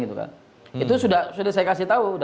itu sudah saya kasih tahu